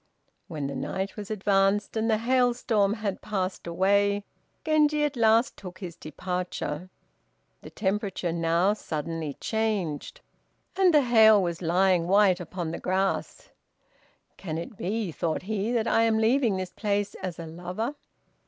When the night was advanced, and the hailstorm had passed away, Genji at last took his departure. The temperature now suddenly changed, and the hail was lying white upon the grass. "Can it be," thought he, "that I am leaving this place as a lover?"